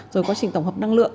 rồi quá trình tổng hợp năng lượng